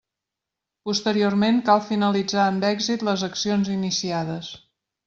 Posteriorment, cal finalitzar amb èxit les accions iniciades.